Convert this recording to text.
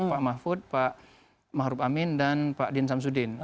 pak mahfud pak maruf amin dan pak din samsudin